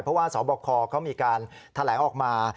เพราะว่าสวบคมีการทะเลออกมา